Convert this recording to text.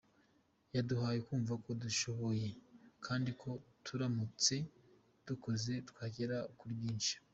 Yaduhaye kumva ko dushoboye kandi ko turamutse dukoze twagera kuri byinshi.